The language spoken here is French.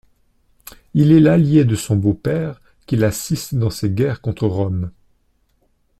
Il est l’allié de son beau-père qu’il assiste dans ses guerres contre Rome.